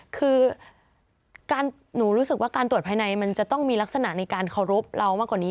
คือหนูรู้สึกว่าการตรวจภายในมันจะต้องมีลักษณะในการเคารพเรามากกว่านี้